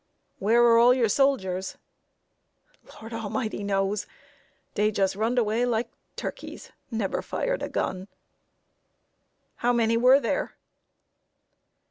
"Where are all your soldiers?" "Lord A'mighty knows. Dey jus' runned away like turkeys nebber fired a gun." "How many were there?"